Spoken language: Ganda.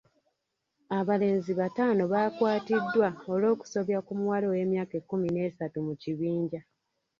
Abalenzi bataano baakwatiddwa olw'okusobya ku muwala ow'emyaka ekkumi n'esatu mu kibinja.